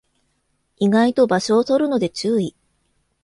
意外と場所を取るので注意